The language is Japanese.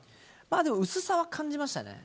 でも、薄さは感じましたね。